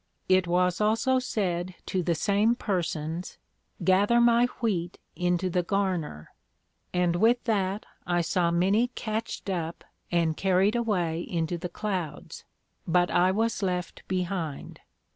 It was also said to the same persons, Gather my Wheat into the Garner. And with that I saw many catch'd up and carried away into the Clouds, but I was left behind.